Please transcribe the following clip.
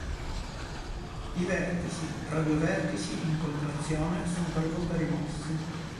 I vertici tra due vertici "in contrazione" sono talvolta rimossi.